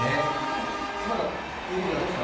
なんか、指がどうしたの？